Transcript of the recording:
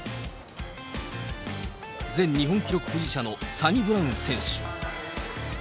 全日本記録保持者のサニブラウン選手。